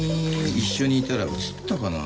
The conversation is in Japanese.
一緒にいたらうつったかな？